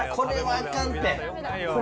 あかんわ。